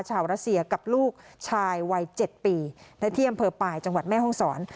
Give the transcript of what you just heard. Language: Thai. ชาวรัสเซียกับลูกชายวัยเจ็ดปีในเที่ยมเพอร์ปลายจังหวัดแม่โฮ้งศร